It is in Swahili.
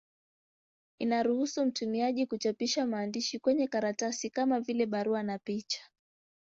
Inaruhusu mtumiaji kuchapisha maandishi kwenye karatasi, kama vile barua na picha.